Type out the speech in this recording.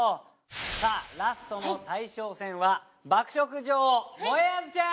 さぁラストの大将戦は爆食女王もえあずちゃん！